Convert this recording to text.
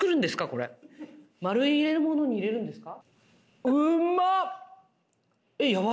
これ丸い入れ物に入れるんですか？